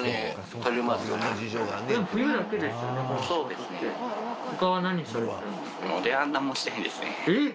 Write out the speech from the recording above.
そうですねえっ！